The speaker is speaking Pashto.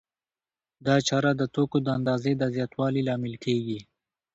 دا چاره د توکو د اندازې د زیاتوالي لامل کېږي